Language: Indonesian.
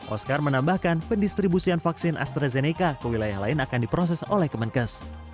oscar menambahkan pendistribusian vaksin astrazeneca ke wilayah lain akan diproses oleh kemenkes